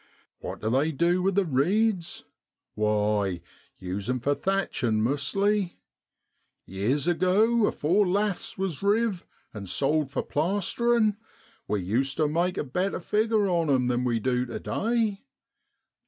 What du they du with the reeds? Why, use 'em for thatchin', mostly. Years ago, afore laths wasriv', and sold for plasterin', we used to make a better figure on 'em than we du tu day.